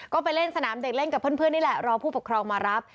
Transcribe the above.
ก็ไปเล่นสนามเด็กเล่นกับเพื่อนนี่แหละรอผู้ปกครองมารับ